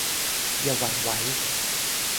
อย่าหวั่นไหว